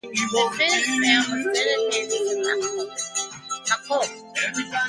The finished film was dedicated to Mako.